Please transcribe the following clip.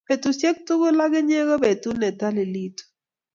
petushiek tugul ak inye ko petut ne talilitu